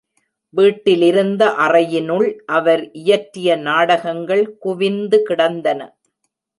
வீட்டிலிருந்த அறையினுள் அவர் இயற்றிய நாடகங்கள் குவிந்து கிடந்தன.